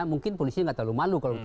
mungkin polisi nggak terlalu malu